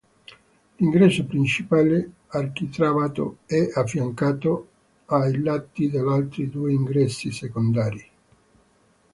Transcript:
L'ingresso principale architravato è affiancato ai lati da altri due ingressi secondari.